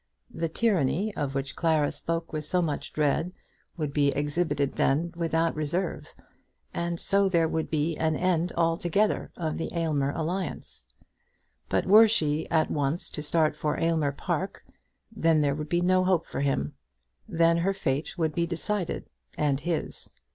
That tyranny of which Clara spoke with so much dread would be exhibited then without reserve, and so there would be an end altogether of the Aylmer alliance. But were she once to start for Aylmer Park, then there would be no hope for him. Then her fate would be decided, and his.